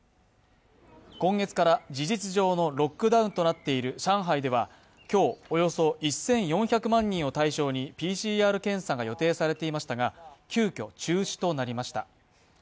今月から事実上のロックダウンとなっている上海では今日、およそ１４００万人を対象にＰＣＲ検査が予定されていましたが、急きょ中止となりました。